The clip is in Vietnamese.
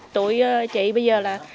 tuổi chị bây giờ là